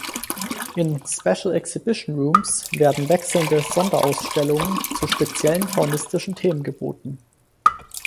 In "Special exhibition rooms" werden wechselnde Sonderausstellungen zu speziellen faunistischen Themen geboten.